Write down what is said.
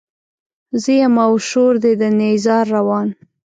زه يمه او شور دی د نيزار روان